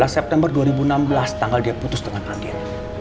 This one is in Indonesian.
dua belas september dua ribu enam belas tanggal dia putus dengan adil